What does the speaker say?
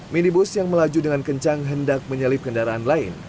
minibus yang melaju dengan kencang hendak menyalip kendaraan lain